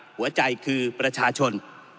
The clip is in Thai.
หัวใจคือประชาชน